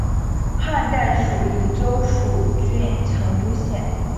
汉代属益州蜀郡成都县。